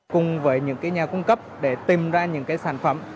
cùng với những cái nhà cung cấp để tìm ra những cái sản phẩm